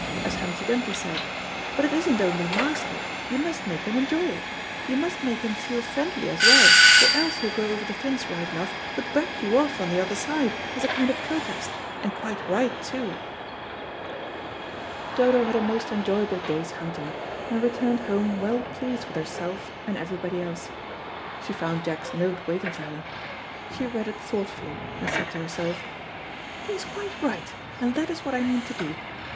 as Humpty Dumpty said. But it isn't only master; you must make him enjoy it. You must make him feel friendly as well, or else he'll go over the fence right enough, but buck you off on the other side, as a kind of protest, and quite right too." Dodo had a most enjoyable day's hunting, and returned home well pleased with herself and everybody else. She found Jack's note waiting for her. She read it thoughtfully, and said to herself, "He is quite right, and that is what I mean to do.